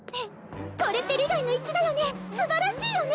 これって利害の一致だよね素晴らしいよね